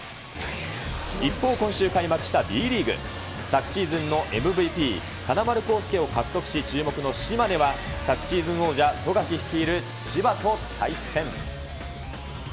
一方、今週開幕したＢリーグ。昨シーズンのＭＶＰ、金丸晃輔を獲得し、注目の島根は、昨シーズン王者、富樫率いる千葉と対戦。